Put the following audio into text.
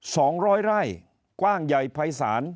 สองร้อยไร่กว้างใหญ่